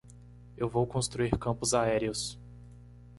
Eu vou construir campos aéreos.